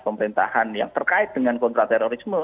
pemerintahan yang terkait dengan kontraterorisme